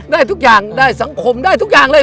ได้ทุกอย่างได้สังคมได้ทุกอย่างเลย